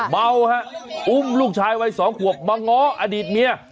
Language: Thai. เมาฮะอุ้มลูกชายวัย๒ขวบมาง้ออดีตเมีย